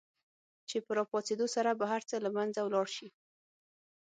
چې په را پاڅېدو سره به هر څه له منځه ولاړ شي.